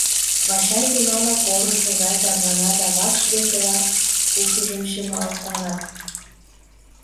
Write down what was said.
Вачай тунамак орышо гай тарвана да вакш векыла пушыжым чымалтара.